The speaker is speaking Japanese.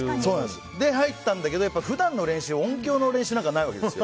で、入ったんだけど普段の練習で音響の練習なんてないわけです。